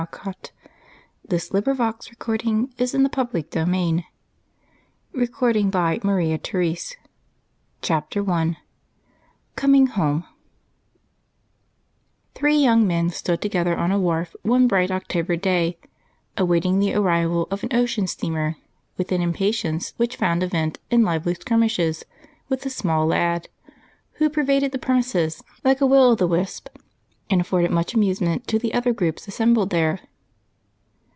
What Mac Did Chapter 21. How Phebe Earned Her Welcome Chapter 22. Short and Sweet Chapter 1 COMING HOME Three young men stood together on a wharf one bright October day awaiting the arrival of an ocean steamer with an impatience which found a vent in lively skirmishes with a small lad, who pervaded the premises like a will o' the wisp and afforded much amusement to the other groups assembled there.